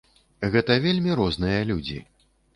Гэта вельмі розныя людзі.